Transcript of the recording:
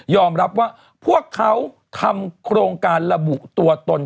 รับว่าพวกเขาทำโครงการระบุตัวตน